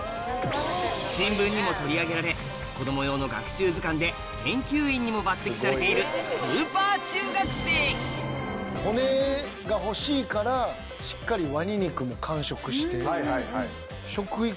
新聞にも取り上げられ子供用の学習図鑑で研究員にも抜擢されているスーパー中学生骨が欲しいからしっかりワニ肉も完食して。